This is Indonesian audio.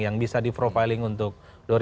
yang bisa di profiling untuk dua ribu dua puluh